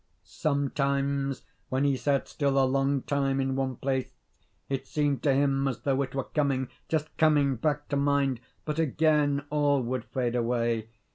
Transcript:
Sometimes when he sat still a long time in one place, it seemed to him as though it were coming, just coming back to mind, but again all would fade away.